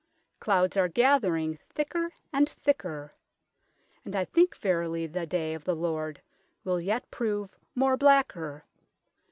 . Clouds are gathering thicker and thicker, and I thinke veryly the day of the Lorde will yet prove more blacker.